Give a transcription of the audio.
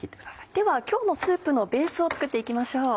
では今日のスープのベースを作って行きましょう。